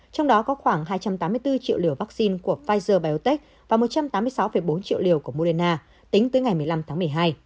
trong đó có khoảng hai trăm tám mươi bốn triệu liều vaccine của pfizer biotech và một trăm tám mươi sáu bốn triệu liều của moderna tính tới ngày một mươi năm tháng một mươi hai